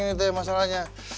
ini teh masalahnya